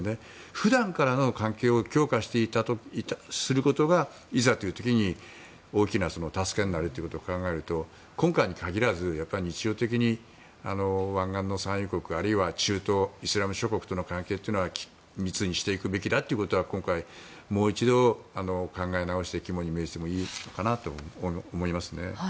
普段からの関係を強化することがいざという時に大きな助けになるということを考えると今回に限らず、日常的に湾岸の産油国あるいは中東、イスラム諸国との関係というのは密にしていくべきだということは今回もう一度考え直して肝に銘じてもいいのかなと思いますね。